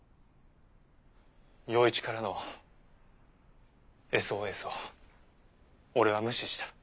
陽一からのＳＯＳを俺は無視した。